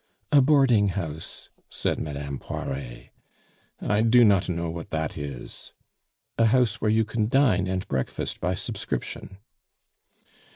"A boarding house," said Madame Poiret. "I do not know what that is." "A house where you can dine and breakfast by subscription."